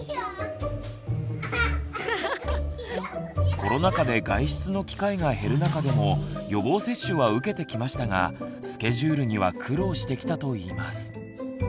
コロナ禍で外出の機会が減る中でも予防接種は受けてきましたがスケジュールには苦労してきたといいます。